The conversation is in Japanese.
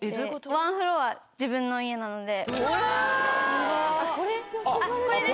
ワンフロア自分の家なので。